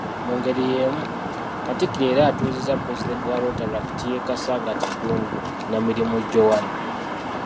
Mu ngeri yeemu, Katikkiro era atuuzizza pulezidenti wa Rotaract ye Kasangati Ddungu Namirimu Joana.